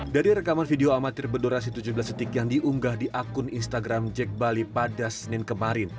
dari rekaman video amatir berdurasi tujuh belas detik yang diunggah di akun instagram jack bali pada senin kemarin